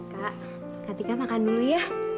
kak kak tika makan dulu ya